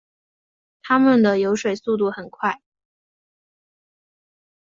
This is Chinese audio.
它们的游水速度很快。